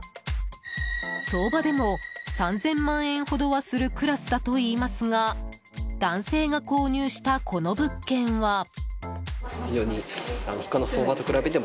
相場でも３０００万円ほどはするクラスだといいますが男性が購入したこの物件は。